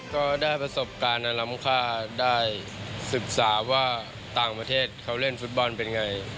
ก็ได้ประสบการณ์อันล้ำค่าได้ศึกษาว่าต่างประเทศเขาเล่นฟุตบอลเป็นไง